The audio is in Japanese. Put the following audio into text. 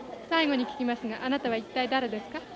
最後に聞きますがあなたは一体誰ですか？